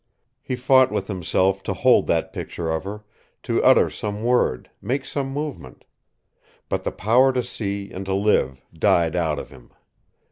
He fought with himself to hold that picture of her, to utter some word, make some movement. But the power to see and to live died out of him.